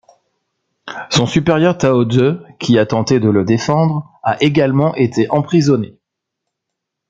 Son supérieur Tao Zhu, qui a tenté de le défendre, a également été emprisonné.